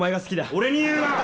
俺に言うな！